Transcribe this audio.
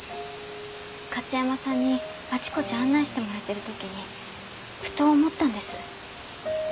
加津山さんにあちこち案内してもらってるときにふと思ったんです。